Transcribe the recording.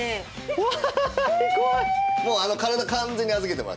うわ